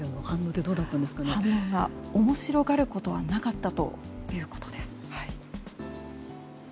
反応が、面白がることはなかったということです。